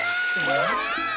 うわ！